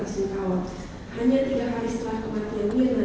hanya tiga hari setelah kematian mirna